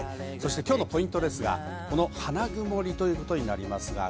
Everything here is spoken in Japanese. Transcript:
今日のポイントはこの花曇りということになります。